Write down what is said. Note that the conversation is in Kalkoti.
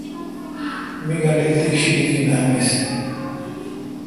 می گینڈل تی ݭݭ دی نامین۔